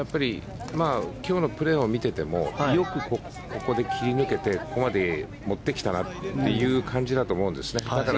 今日のプレーを見ていてもよくここで切り抜けてここまで持ってきたなという感じだと思うんですね。